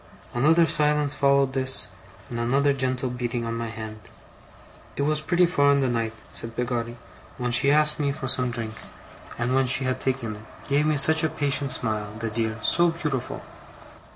Another silence followed this, and another gentle beating on my hand. 'It was pretty far in the night,' said Peggotty, 'when she asked me for some drink; and when she had taken it, gave me such a patient smile, the dear! so beautiful!